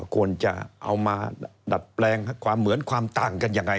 ควรจะเอามาดัดแปลงความเหมือนความต่างกันยังไง